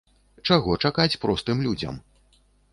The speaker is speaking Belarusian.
Чаго чакаць простым людзям?